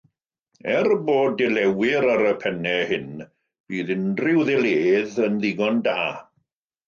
Er bod dilëwyr ar y pennau hyn, bydd unrhyw ddilëydd yn ddigon da.